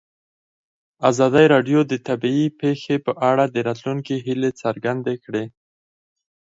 ازادي راډیو د طبیعي پېښې په اړه د راتلونکي هیلې څرګندې کړې.